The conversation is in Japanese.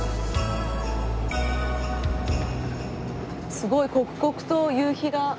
すごい刻々と夕日が。